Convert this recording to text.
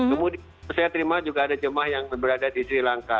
kemudian saya terima juga ada jemaah yang berada di sri lanka